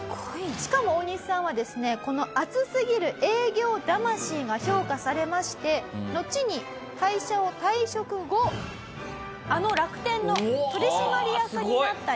しかもオオニシさんはですねこの熱すぎる営業魂が評価されましてのちに会社を退職後あの楽天の取締役になったり。